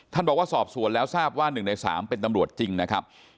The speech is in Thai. บอกว่าสอบสวนแล้วทราบว่า๑ใน๓เป็นตำรวจจริงนะครับ